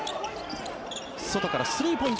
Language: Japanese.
外からスリーポイント。